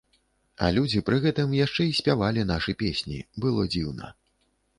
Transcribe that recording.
А людзі пры гэтым яшчэ і спявалі нашы песні, было дзіўна.